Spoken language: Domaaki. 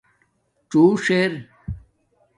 څݸݽ ار